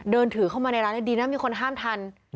เดินถือเข้ามาในร้านดีนะมีคนห้ามทัน